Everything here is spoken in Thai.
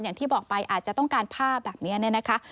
อย่างที่บอกไปอาจจะต้องการผ้าแบบนี้แน่ค่ะ